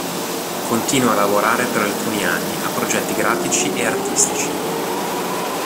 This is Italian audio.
Continua a lavorare per alcuni anni a progetti grafici e artistici.